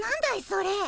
それ。